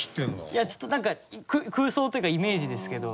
いやちょっと何か空想というかイメージですけど。